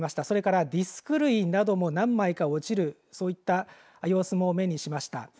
それからディスク類なども何枚か落ちるそういった様子も目にしました。